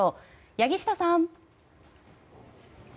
柳下さん。